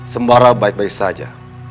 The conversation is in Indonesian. sembara baik baik saja